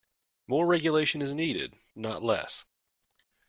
More regulation is needed, not less.